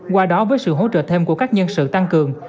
qua đó với sự hỗ trợ thêm của các nhân sự tăng cường